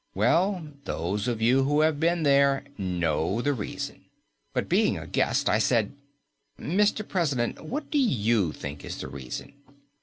Well, those of you who have been there know the reason. But, being a guest, I said: "Mr. President, what do you think is the reason?"